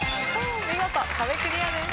見事壁クリアです。